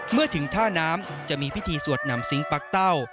เมื่อถึงท่าน้ำจะมีพิธีสวดนำซิงคักเต้า